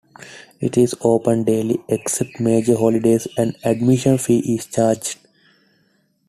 It is open daily except major holidays; an admission fee is charged.